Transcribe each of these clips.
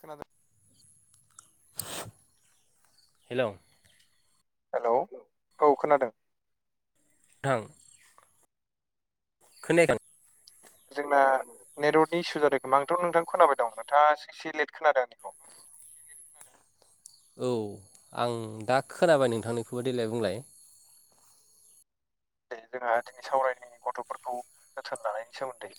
खोनादों hello hello औ खोनादों नोंथां खोनायाखै जोंना नेटवर्कनि इसु जादों खोमा आंथ' नोंथां खोनाबाय दं नोंथाङा एसे लेट खोनादों आंनिखौ औ आं दा खोनाबाय नोंथांनिखौबो देलाय बुंलाय दे जोंहा दिनै सावरायनि गथ'फोरखौ जोथोन लानायनि सोमोन्दै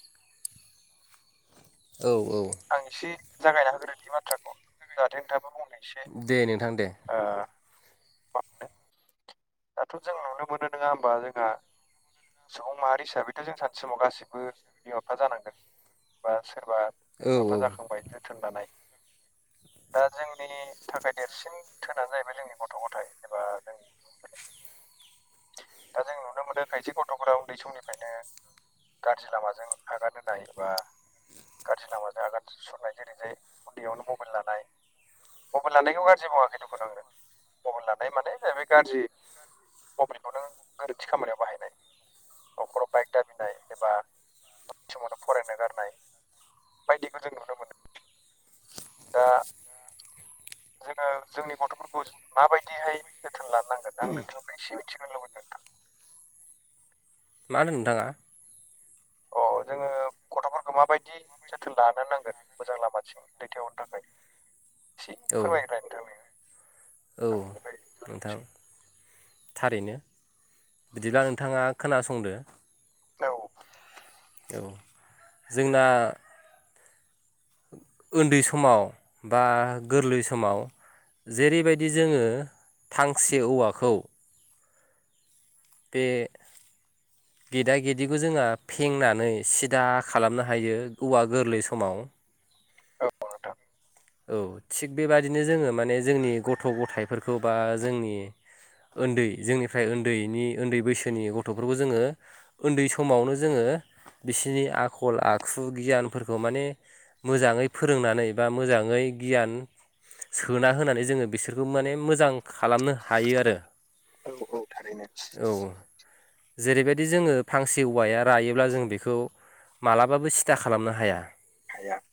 औ औ आं इसे जागायना होग्रोनि बाथ्राखौ जाहाथे नोंथाङाबो बुं दे नोंथां दे ओ [unintelligible] दाथ' जों नुनो मोनो नोङा ओमबा जोंहा सुबुं माहारि हिसाबैथ' जों सानसे समाव गासैबो बिमा बिफा जानांगोन बा सोरबा औ बिमा औ बिफा जाखांबाय जोथोन लानाय दा जोंनि थाखाय देरसिन धोनानो जाहैबाय जोंनि गथ' गथाइ एबा जोंनि दा जों नुनो मोननो खायसे गथ'फोरा उन्दै समनिफ्रायनो गाज्रि लामाजों आगान होनाय बा गाज्रि लामाजों आगान सुरनाय जेरै जाय उन्दैयावनो मबाइल लानाय। मबाइल लानायखौ गाज्रि बुङाखै दखुन आङो मबाइल लानाय माने जाहैबाय गाज्रि मबेलिखौ नों गोरोन्थि खामानियाव बाहायनाय। नखराव बाइक दाबिनाय एबा उन्दै समावनो फरायनो गारनाय। बायदिखौ जों नुनो मोनो दा जोङो जोंनि गथ'फोरखौ माबायदिहाय जोथोन लानांगोन आं नोंथांनिफ्राय एसे मिथिगोन लुबैदों नोंथां। मा होनदों नोंथाङा? अ जोङो गथ' फोरखौ माबायदि जोथोन लानो नांगोन मोजां लामाथिं दैथायहरनो थाखाय एसे औ फोरमायलाय नोंथां नोङो औ नोंथां थारैनो बिदिब्ला नोंथाङा खोनासंदो। औ औ जोंना ओन्दै समाव बा गोरलै समाव जेरैबायदि जोङो फांसे औवाखौ बेे [inaudible] गेदा गेदिखौ जोंहा फेंनानै सिदा खालामनो हायो औवा गोरलै समाव औ नोंथां औ थिग बेबादिनो जोङो माने जोंनि गथ' गथाइफोरखौ बा जोंनि उन्दै जोंनिफ्राय उन्दैनि उन्दै बैसोनि गथ'फोरखौ जोङो उन्दै समावनो जोङो बिसोरनि आखल आखु गियानफोरखौ माने मोजाङै फोरोंनानै बा मोजाङै गियान सोना होनानै जोङो बिसोरखौ माने मोजां खालामनो हायो आरो। औ औ थारैनो औ जेरैबायदि जोङो फांसे औवाया रायोब्ला जों बेखौ मालाबाबो सिदा खालामनो हाया। हाया [unintelligible]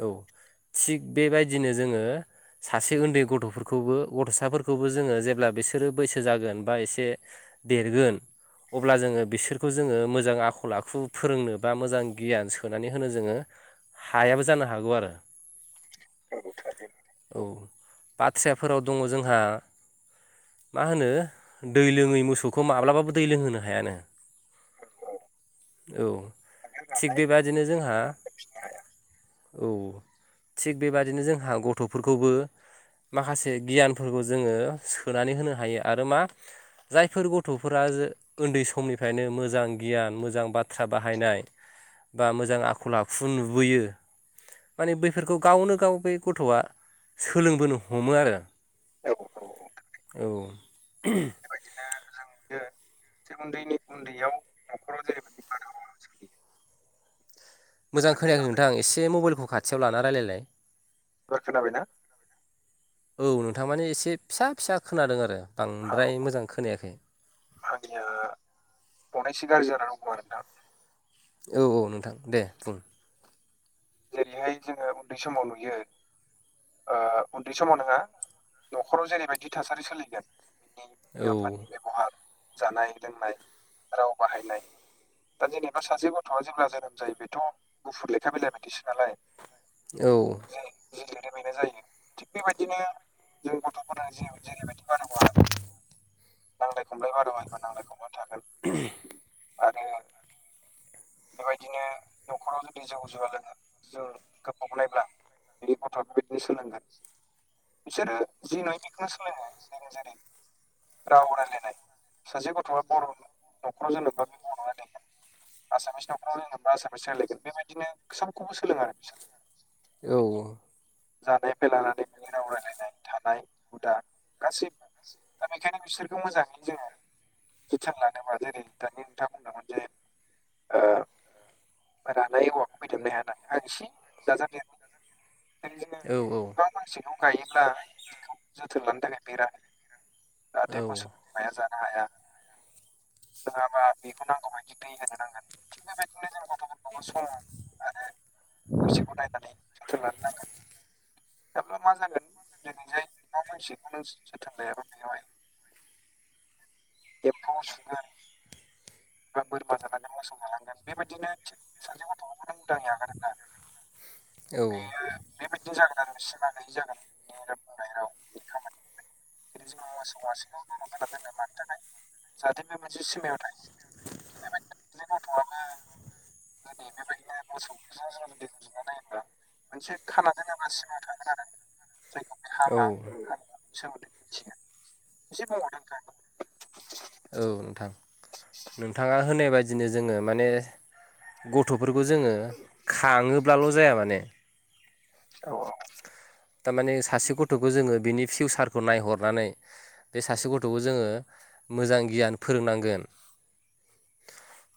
औ थिग बेबायदिनो जोङो सासे उन्दै गथ'फोरखौबो गथ'साफोरखौबो जोङो जेब्ला बिसोरो बैसो जागोन बा एसे देरगोन अब्ला जोङो बिसोरखौ जोङो मोजां आखल आखु फोरोंनो बा मोजां गियान सोनानै होनो जोङो हायाबो जानो हागौ आरो। औ थारैनो औ बाथ्राफोराव दङ जोंहा। मा होनो दै लोङै मोसौखौ माब्लाबाबो दै लोंहोनो हायानो। औ आरो थिग राननाय बेबादिनो जोंहा फिसिनो हाया औ थिग बेबादिनो जोंहा गथ'फोरखौबो माखासे गियानफोरखौ जोङो सोनानै होनो हायो आरो मा जायफोर गथ'फोरा जो ओन्दै समनिफ्रायनो मोजां गियान मोजां बाथ्रा बाहायनाय बा मोजां आखल आखु नुबोयो माने बैफोरखौ गावनो गाव बे गथ'आ सोलोंबोनो हमो आरो औ औ औ बेबायदिनो जों नुयो [unintelligible] उन्दैनि उन्दैयाव न'खराव जेरैबायदि बारहावा सोलियो मोजां आफानि खोनायाखै जानाय नोंथां एसे मबाइलखौ खाथियाव लाना रायलायलाय एबार खोनाबाय ना औ नोंथां माने एसे फिसा फिसा खोनादों आरो औ बांद्राय मोजां खोनायाखै [unintelligible] औ औ नोंथां दे बुं जेरैहाय जोङो उन्दै समाव नुयो ओ उन्दै समाव नङा न'खराव जेरैबायदि थासारि सोलिगोन बिनि औ बिमा बिफानि बेब'हार जानाय लोंनाय राव बाहायनाय दा जेनेबा सासे गथ'आ जेब्ला जोनोम जायो बेथ' गुफुर लेखा बिलाइ बायदिसो नालाय औ जों [unintelligible] बेनाय जायो थिग बेबायदिनो जों गथ'फोरा जे जेरैबायदि बारगाव हागोन नांलाय खमलाय [unintelligible] खमलाय थागोन आरो बेबायदिनो न'खराव जुदि जौ जुवा लोङो जों गोबाव नायब्ला बिनि गथ'आबो बिदिनो सोलोंगोन बिसोरो जि नुय बेखौनो सोलोङो जेरै राव रनायलायनाय सासे गथ'आ बर' न'खराव [unintelligible] बे बर' रायलायगोन आसामिस नखराव [unintelligible] आसामिस रायलायगोन बेबायदिनो खौबो सोलोङो आरो औ बिसोरो बिनि जानायनिफ्राय लानानै बिनि राव रायलायनाय थानाय हुदा गासैबो दा बेनिखायनो बिसोरखौ मोजाङै जोङो जोथोन लानोबा जेरै दानि नोंथाङा बुंदोंमोन जे ओ रानाय औवाखौ फेदोबनो हाया नालाय आं एसे औ [unintelligible] [unintelligible] सिखौ गायोब्ला बेखौ जोथोन लानो थाखाय बेरा होयो जाहाथे औ मोसौ माया जानो हाया नङाबा बेखौ नांगौबायायदि दै होनो नांगोन थिग बेबायदिनो जों गथ'फोरखौबो सम आरो बैसोखौ नायनानै जोथोन लानो नांगोन थाब्ला मा जागोन दिनैहाय ना मानसिखौनो जोथोन लायाबा बेयावहाय एफौ सुगोन बा बोरमा जालांगोन मोसौ जालांगोन बेबायदिनो सासे गथ'बो नों उदाङै आगारोबा औ बेबायदि जागोन आरो सिमा गैयि जागोन रायनाय राव खामानि [unintelligible] जाहाथे बे मोनसे सिमायाव थायो बेबायदिनो गथ'आबो दै बेबायदिनो मोसौ जों जुदि रुजुना नायोबा मोनसे खाना दोनाब्ला सिमा थागोन आरो जायखौ बे औ हामा सोमोन्दै मिथिगोन एसे बुंहरदो नोंथाङाबो औ नोंथां नोंथाङा होनाय बायदिनो जोङो माने गथ'फोरखौ जोङो खाङोब्लाल' जाया माने औ थारमाने सासे गथ'खौ जोङो बिनि फिउसारखौ नायहरनानै बे सासे गथ'खौ जोङो मोजां गियान फोरोंनांगोन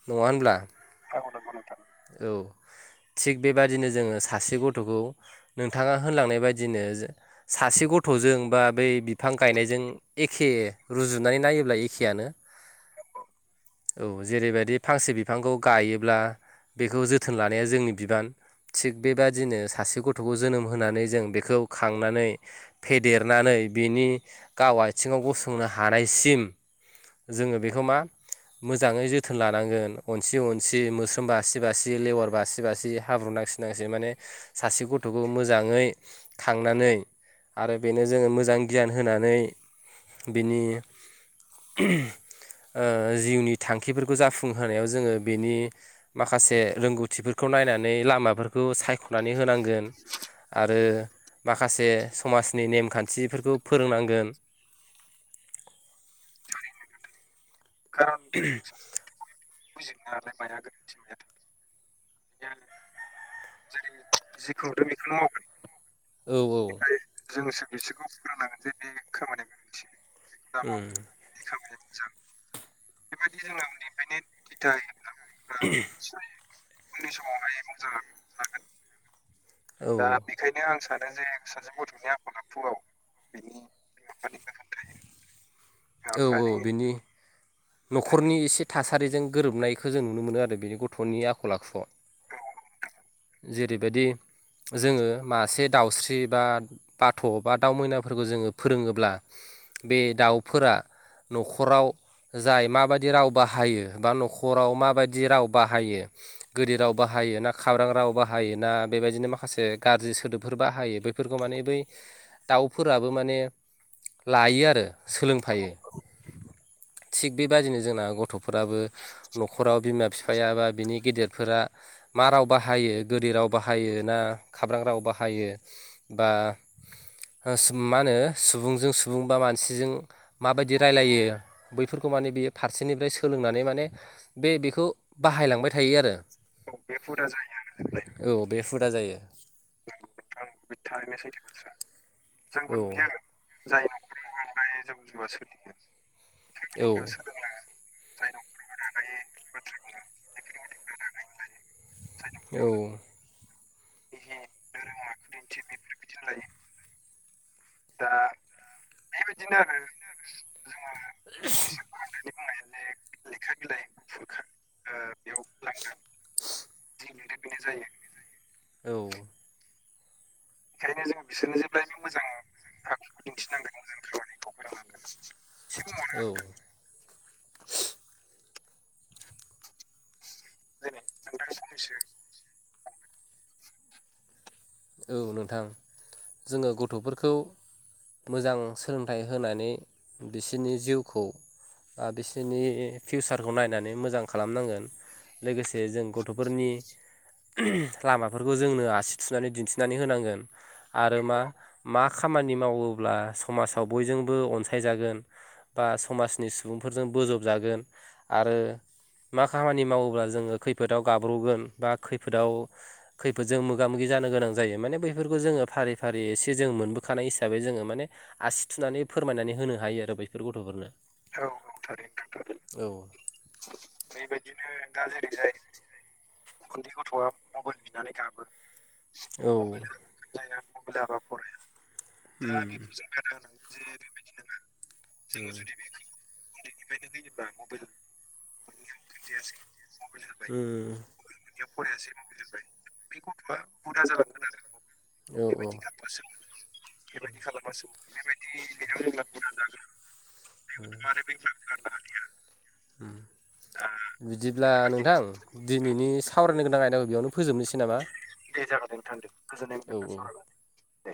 नङा होनब्ला औ नंगौ नोंथां औ थिग बेबादिनो जोंङो सासे गथ'खौ नोंथांङा होनलांनाय बायदिनो सासे गथ'जों बा बै बिफां गायनायजों एखे रुजुनानै नायोब्ला एखेयानो औ जेरैबायदि फांसे बिफांखौ गायोब्ला बेखौ जोथोन लानाया जोंनि बिबान थिग बेबादिनो सासे गथ'खौ जोनोम होनानै जों बेखौ खांनानै फेदेरनानै बिनि गाव आथिङाव गसंनो हानायसिम जोंङो बेखौ मा मोजाङै जोथोन लानांगोन अनसि अनसि मोस्रोमबा बासि बासि लेवार बासि बासि हाब्रु नांसिनांसिै माने सासे गथ'खौ मोजांङै खांनानै आरो बेनो जोंङो मोजां गियान होनानै बिनि जिउनि थांखिफोरखौ जाफुंहोनायाव जोंङो बेनि माखासे रोंगौथिफोरखौ नायनानै लामाफोरखौ सायख'नानै होनांगोन आरो माखासे समाजनि नेमखान्थिफोरखौ फोरोंनांगोन [unintelligible] [inaudible] बिनाय नालाय माया गोन्थि माया थार जों जि खुंदों बेखौनो मावगोन औ औ बेनिफ्राय जोंसो बिसोरखौ फोरोंनांगोन जे बे खामानि गोरोन्थि बेखौ दामाव खामानिया मोजां बेबायदि जोंनानिफ्रायनो [unintelligible] [unintelligible] [inaudible] उननि समावहाय मोजां लागोन औ दा बि बेखायनो आं सानो जे सासे गथ'नि आखल आखुआव बिनि बिमा बिफानि गोाहोन थायो। बिमा औ औ बिफानि बिनि थायो न'खरनि एसे थासारि थारिजों गोरोबनायखौ जों नुनो मोनो आरो बेनि गथ'नि आखल आखुआव जेरैबायदि जोंङो मासे दाउस्रि बा बाथ' बा दाउ मैनाफोरखौ जोङो फोरोङोब्ला बे दाउ फोर न'खराव जाय माबायदि राव बाहायो बा न'खराव माबायदि राव बाहायो गोददि राव बाहायो ना खाब्रां राव बाहायो ना बेबायदिनो माखासे गाज्रि सोदोबफोर बाहायो बे बेफोरखौ माने बै दाउफोराबो माने लायो आरो सोलोंफायो थिग बेबादिनो जोंना गथ' फोराबो न'खराव बिमा बिफाया बा बिनि गेदेरफोरा मा राव बाहायो गोदै राव बाहायो ना खाब्रां राव बाहायो बा मा होनो सुबुंजों सुबुं बा मानसिजों माबायदि रायलायो बैफोरखौ माने बियो फारसेनिफ्राय सोलोंनानै माने बे बेखौ बाहायलांबाय थायो आरो औ बे हुदा जायो आरो औ बे हुदा जायो। आं थारैनो सैथो मस्रा जोंबो औ नुजाखोन जाय नखरावाय जौ जौ सोलियो औ बेबाय सो [unintelligible] [unintelligible] औ धोरोम आखुदिन्थि बेफोरबायदिनो लायो दा बेबायदिनो आरो जोंङो बिसोर फरायनायनि बुंनाय लेखा बिलाइ गुफुरखा बेयाव लांदों। जनो बेनो जायो। औ ओंखायनो जो बिसोरनो जेब्लायबो मोजां आखुखौ दिन्थिनांगोन मोजां खामानिखौ फोरनांगोन सबो मन औ उथो [unintelligible] जों दा साननैसो औ नोंथां जोङो गथ'फोरखौ मोजां सोलोंथाइ होनानै बिसोरनि जिउखौ आ बिसोरनि फिउसारखौ नायनानै मोजां खालामनांगोन लोगोसे जों गथ'फोरनि लामाफोरखौ जोंनो आसि थुनानै दिनथि नानै होनांगोन आरो मा मा खामानि मावोब्ला समाजाव बयजोंबो अनसायजागोन बा समाजनि सुबुंफोरजों बोजबजागोन आरो मा खामानि मावोब्ला जोङो खैफोदाव गाब्र'गोन बा खैफोदाव खैफोदजों मोगा मोगि जानो गोनां जायो माने बैफोरखौ जोङो फारि फारि एसे जों मोनबोखानाय हिसाबै जोङो माने आसि थुनानै फोरमायनानै होनो हायो आरो बेफोर गथ'फोरनो औ औ थारैनो औ थारैनो बेबायदिनो दा जेरैजाय उन्दै गथ'आ मबाइल बिनानै गाबो औ मबाइल खोनाया मबाइल फराया दा बेखौ ज बादा होनांगोन जे बेबायदि नङा जों जुदि बे उनदैनिफ्रायनो जेनेबा मबाइल मबाइल [unintelligible] ओम याव फरायासै मबाइल बे गथ'आ हुदा जालांगोन आरो औ बेबायदि औ खालाम बेबायदि खालामबासो बेबायदि बेाव जोंब्लाबो नांजागोन मे बेलि [unintelligible] बिदिब्ला नोंथां बेबायदिनो दिनैनि सावरायनो गोनां आयदाखौ बेयावनो फोजोबनोसै नामा दे जागोने नोंथां दे गोजोननाय मोनदों औ नोंथां औ सावरायनानै दे